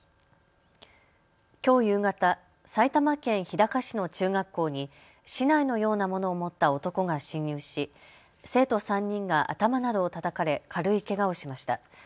きょう夕方、埼玉県日高市の中学校に竹刀のようなものを持った男が侵入し生徒３人が頭などをたたかれ軽いけがをしました。